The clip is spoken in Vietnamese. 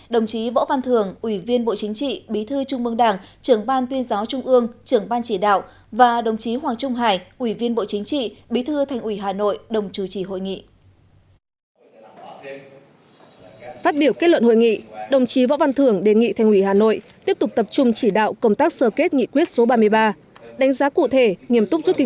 đồng chí võ văn thường ủy viên bộ chính trị bí thư trung mương đảng trưởng ban tuyên giáo trung ương trưởng ban chỉ đạo và đồng chí hoàng trung hải ủy viên bộ chính trị bí thư thành ủy hà nội đồng chủ trì hội nghị